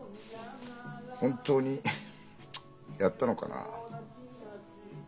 本当にやったのかなあ。